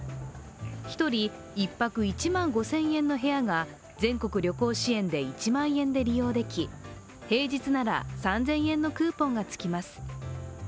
１人１泊１万５０００円の部屋が、全国旅行支援で１万円で利用でき、平日なら３０００円のクーポンがつきます。